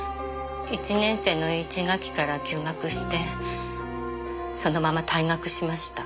１年生の１学期から休学してそのまま退学しました。